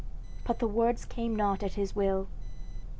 but the words came not at his will.